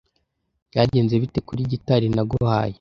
Byagenze bite kuri gitari naguhaye?